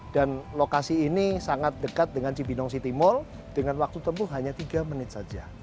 dan lokasi ini sangat dekat dengan cibinong city mall dengan waktu tempuh hanya tiga menit saja